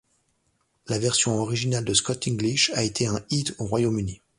La version originale de Scott English a été un hit au Royaume-Uni.